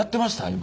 今。